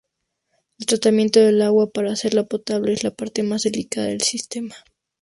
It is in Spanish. El tratamiento del agua para hacerla potable es la parte más delicada del sistema.